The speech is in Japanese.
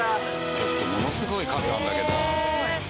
ちょっとものすごい数あるんだけど。